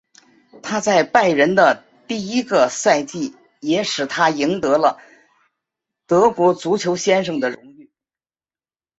他在拜仁的第一个赛季也使他赢得了德国足球先生的荣誉。